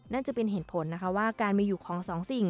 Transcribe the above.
นั่นจะเป็นเหตุผลนะคะว่าการมีอยู่ของสองสิ่ง